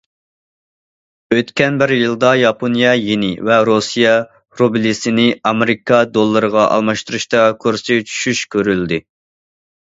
ئۆتكەن بىر يىلدا ياپونىيە يېنى ۋە رۇسىيە رۇبلىسىنى ئامېرىكا دوللىرىغا ئالماشتۇرۇشتا كۇرسى چۈشۈش كۆرۈلدى.